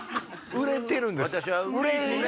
憂いてるんです。